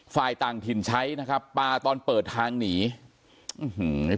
ฝ่ายต่างถิ่นใช้นะครับปลาตอนเปิดทางหนีอื้อหือ